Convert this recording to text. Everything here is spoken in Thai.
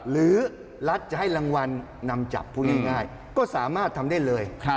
รัฐจะให้รางวัลนำจับพูดง่ายก็สามารถทำได้เลย